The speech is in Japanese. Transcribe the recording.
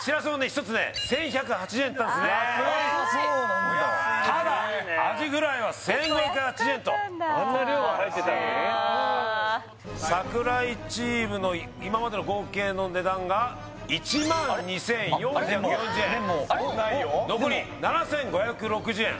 １つね１１８０円だったんですね・安い安いねただアジフライは１５８０円とあんな量が入ってたのに櫻井チームの今までの合計の値段が１２４４０円残り７５６０円